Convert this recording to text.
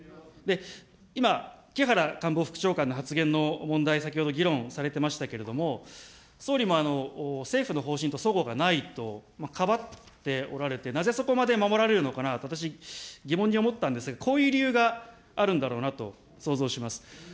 今、木原官房副長官の発言の問題、先ほど、議論されていましたけれども、総理も政府の方針とそごがないとかばっておられて、なぜそこまで守られるのかなと、私、疑問に思ったんですが、こういう理由があるんだろうなと想像します。